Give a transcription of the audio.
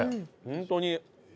ホントに。